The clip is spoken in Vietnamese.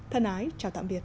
thân ái chào tạm biệt